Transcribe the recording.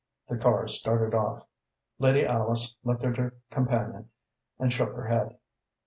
The car started off. Lady Alice looked at her companion and shook her head.